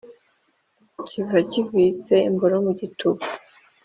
kiva kivitse: imboro mu gituba.